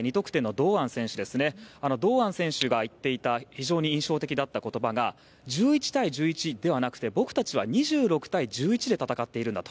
堂安選手が言っていた非常に印象的だった言葉が１１対１１ではなくて僕たちは２６対１１で戦っているんだと。